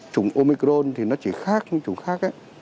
chủng omicron thì nó chỉ khác những chủng khác